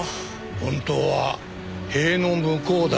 本当は塀の向こうだったのだ。